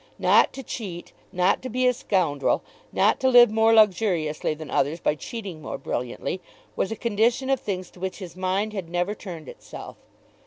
Not to cheat, not to be a scoundrel, not to live more luxuriously than others by cheating more brilliantly, was a condition of things to which his mind had never turned itself.